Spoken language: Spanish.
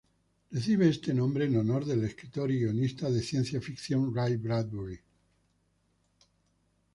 Recibe este nombre en honor del escritor y guionista de ciencia ficción Ray Bradbury.